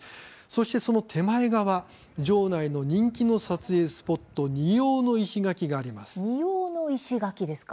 そして、その手前側城内の人気の撮影スポット二様の石垣があります。